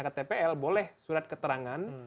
ke tpl boleh surat keterangan